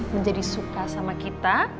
menjadi suka sama kita